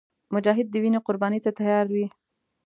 مجاهد د وینو قرباني ته تیار وي.